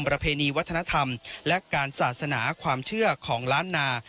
ประเพณีวัฒนธรรมและการศาสนาความเชื่อของล้านนา